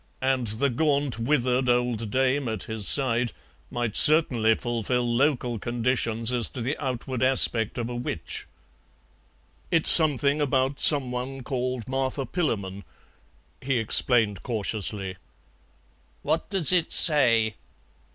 And the gaunt, withered old dame at his side might certainly fulfil local conditions as to the outward aspect of a witch. "It's something about some one called Martha Pillamon," he explained cautiously. "What does it say?"